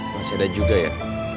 masih ada juga ya